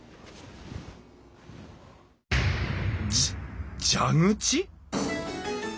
じ蛇口？